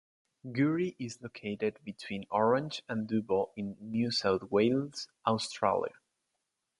Geurie is located between Orange and Dubbo in New South Wales, Australia.